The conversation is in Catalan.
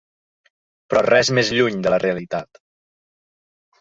Però res més lluny de la realitat.